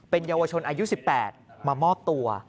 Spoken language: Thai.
เยาวชนอายุ๑๘มามอบตัว